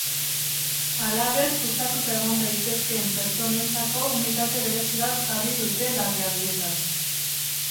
Halaber, kutsatuta egon daitezkeen pertsonentzako unitate berezi bat jarri dute, larrialdietan.